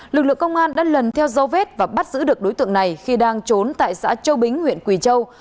lực lượng công an đã lần theo dấu vết và bắt giữ được đối tượng này khi đang trốn tại xã châu bính huyện quỳ châu